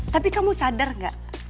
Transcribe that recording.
tapi kamu sadar gak